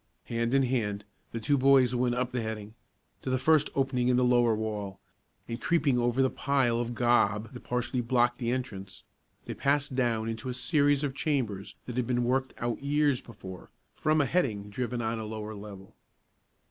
Hand in hand the two boys went up the heading, to the first opening in the lower wall, and creeping over the pile of "gob" that partially blocked the entrance, they passed down into a series of chambers that had been worked out years before, from a heading driven on a lower level.